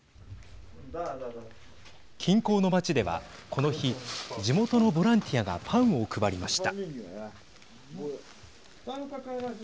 近郊の街では、この日地元のボランティアがパンを配りました。